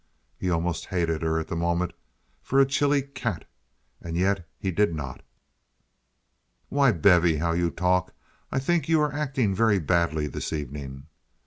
He almost hated her at the moment for a chilly cat. And yet he did not. "Why, Bevy, how you talk! I think you are acting very badly this evening."